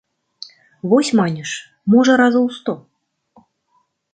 Вось маніш, можа, разоў сто.